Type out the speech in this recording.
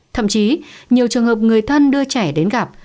thậm chí nhiều trường hợp người thân đưa trẻ đến gặp